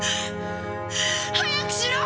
早くしろ！！